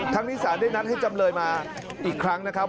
นี้สารได้นัดให้จำเลยมาอีกครั้งนะครับ